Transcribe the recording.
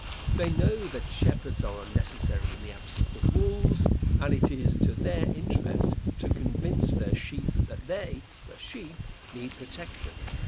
They know that shepherds are unnecessary in the absence of wolves, and it is to their interest to convince their sheep that they, the sheep, need protection.